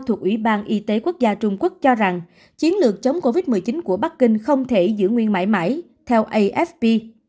thuộc ủy ban y tế quốc gia trung quốc cho rằng chiến lược chống covid một mươi chín của bắc kinh không thể giữ nguyên mãi mãi theo afp